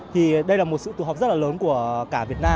thì đây là một sự tù hợp rất là lớn của cả việt nam